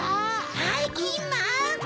ばいきんまん！